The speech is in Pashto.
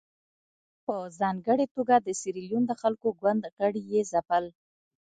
په ځانګړې توګه د سیریلیون د خلکو ګوند غړي یې ځپل.